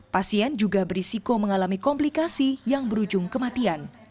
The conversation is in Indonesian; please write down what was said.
pasien juga berisiko mengalami komplikasi yang berujung kematian